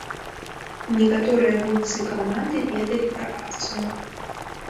Некаторыя гульцы каманды ведалі пра акцыю.